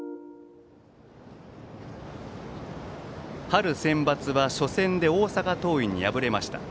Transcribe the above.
春センバツは初戦で大阪桐蔭に敗れました。